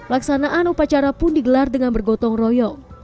laksanaan upacara pun digelar dengan bergotong royong